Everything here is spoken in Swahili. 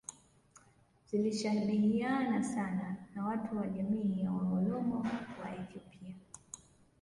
zilishabihiana sana na watu wa jamii ya Waoromo wa Ethiopia